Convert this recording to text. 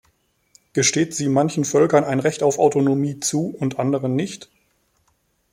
Gesteht sie manchen Völkern ein Recht auf Autonomie zu und anderen nicht?